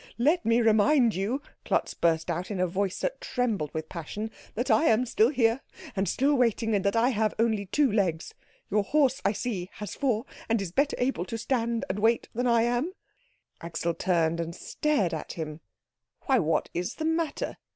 "Let me remind you," Klutz burst out in a voice that trembled with passion, "that I am still here, and still waiting, and that I have only two legs. Your horse, I see, has four, and is better able to stand and wait than I am." Axel turned and stared at him. "Why, what is the matter?"